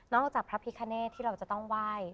จากพระพิคเนตที่เราจะต้องไหว้